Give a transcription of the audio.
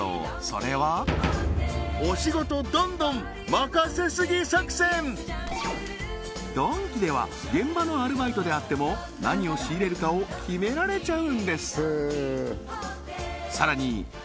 それはドンキでは現場のアルバイトであっても何を仕入れるかを決められちゃうんです